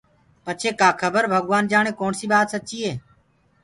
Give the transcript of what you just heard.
پڇي ڪآ کبر ڀگوآن جآڻي ڪوڻسي ٻآت سچي هي